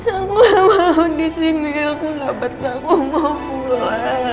aku gak mau disini aku labat aku mau pulang